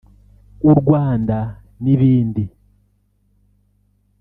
U Rwanda n’ibindi